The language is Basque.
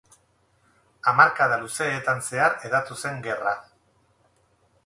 Hamarkada luzeetan zehar hedatu zen gerra.